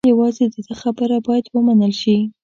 یوازې د ده خبره باید و منل شي.